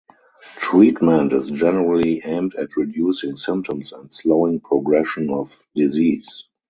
Treatment is generally aimed at reducing symptoms and slowing progression of disease.